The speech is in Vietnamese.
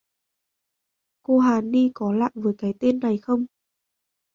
Cô Hà Ni có lạ với cái tên này không